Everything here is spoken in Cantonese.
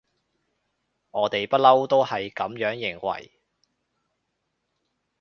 我哋不溜都係噉樣認為